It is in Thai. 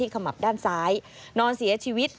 ขมับด้านซ้ายนอนเสียชีวิต